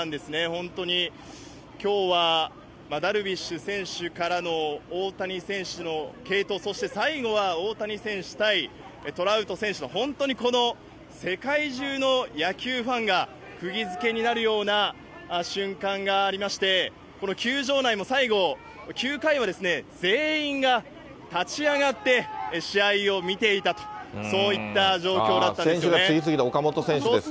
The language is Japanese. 本当にきょうは、ダルビッシュ選手からの大谷選手の継投、そして最後は大谷選手対トラウト選手の、本当にこの世界中の野球ファンがくぎづけになるような瞬間がありまして、この球場内も最後、９回は全員が立ち上がって、試合を見ていたと、選手が次々と、岡本選手ですね。